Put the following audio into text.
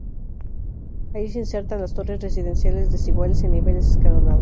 Allí se insertan las torres residenciales desiguales en niveles escalonados.